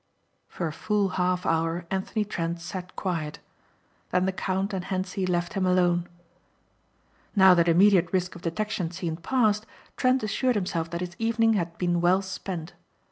For a full half hour Anthony Trent sat quiet. Then the count and Hentzi left him alone. Now that immediate risk of detection seemed past Trent assured himself that his evening had been well spent.